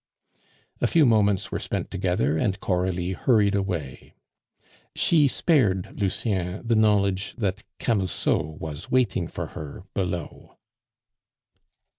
A few moments were spent together, and Coralie hurried away. She spared Lucien the knowledge that Camusot was waiting for her below.